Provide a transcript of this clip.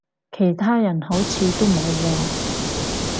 其他人好似都冇喎